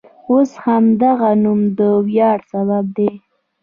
اوس همدغه نوم د ویاړ سبب دی.